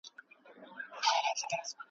د زندان به مي نن شل کاله پوره وای ,